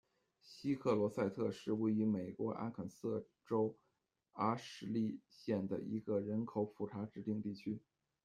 西克罗塞特是位于美国阿肯色州阿什利县的一个人口普查指定地区。